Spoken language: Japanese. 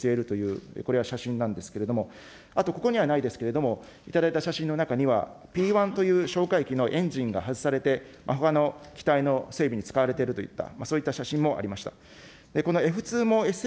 これを共食い状態で整備をしているという、これは写真なんですけれども、あとここにはないですけれども、頂いた写真の中には、Ｐ１という哨戒機のエンジンが外されて、ほかの機体の整備に使われているといった、そういった写真もありました。